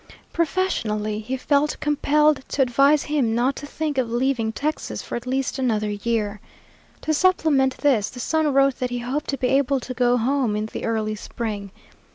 Professionally he felt compelled to advise him not to think of leaving Texas for at least another year. To supplement this, the son wrote that he hoped to be able to go home in the early spring.